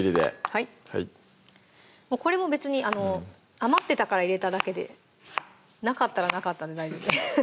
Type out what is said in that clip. はいこれも別に余ってたから入れただけでなかったらなかったで大丈夫です